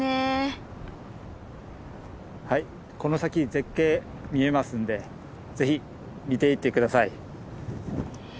はいこの先絶景見えますんでぜひ見ていって下さい。